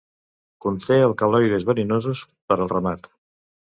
Conté alcaloides verinosos per al ramat.